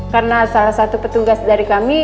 karena salah satu petugas dari kami